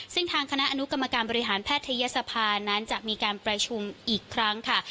ซึ่งทางคณะอนุกรรมการบริหารแพทยศภานั้นจะมีการประชุมอีกครั้งค่ะ